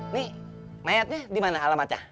nih mayatnya dimana alamatnya